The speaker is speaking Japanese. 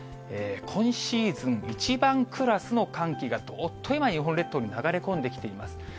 今シーズン一番クラスの寒気がどっと今、日本列島に流れ込んできています。